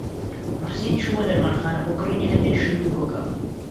موحسین چوو بۆ دەرمانخانە بۆ کڕینی هەندێک شرووبی کۆکە.